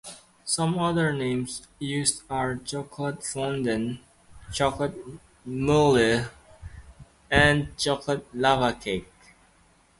Some other names used are chocolate fondant, chocolate "moelleux" and chocolate lava cake.